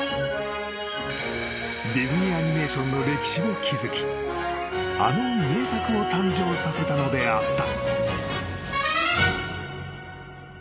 ［ディズニー・アニメーションの歴史を築きあの名作を誕生させたのであった］